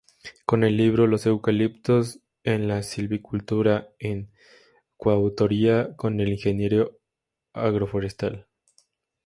Con el libro ""Los Eucaliptos en la Silvicultura"", en coautoría con el Ing. Agr.